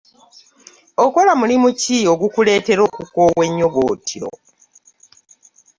Okola mulimu ki ogukuleetera okukoowa ennyo bwotyo.